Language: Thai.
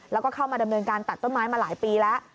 แล้วก็เข้ามาดำเนินการตัดต้นไม้มาหลายปีแล้ว